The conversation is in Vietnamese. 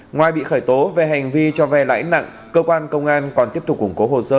ngoài bị khởi tố về hành vi cho ve lãi nặng cơ quan công an còn tiếp tục củng cố hồ sơ